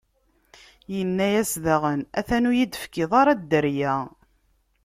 Inna-as daɣen: A-t-an ur yi-d-tefkiḍ ara dderya.